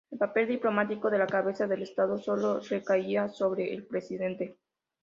El papel diplomático de la cabeza del estado sólo recaía sobre el presidente.